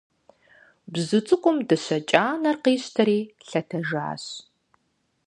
Бзу цӀыкӀум дыщэ кӀанэр къищтэри лъэтэжащ.